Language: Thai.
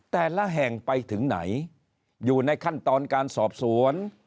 แต่ละแห่งไปถึงไหนอยู่ในขั้นตอนการสอบสวน